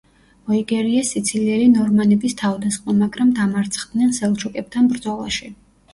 მოიგერიეს სიცილიელი ნორმანების თავდასხმა, მაგრამ დამარცხდნენ სელჩუკებთან ბრძოლაში.